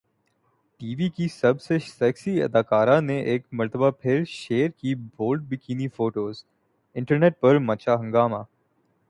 T V کی سب سے سیکسی اداکارہ نے ایک مرتبہ پھر شیئر کی بولڈ بکنی فوٹوز ، انٹرنیٹ پر مچا ہنگامہ